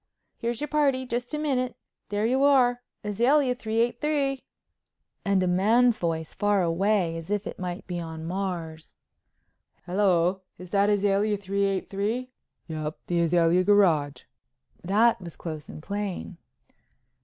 "Here's your party. Just a minute. There you are—Azalea 383." Then a man's voice far away as if it might be in Mars: "Hello, is that Azalea 383?" "Yep—the Azalea Garage," that was close and plain.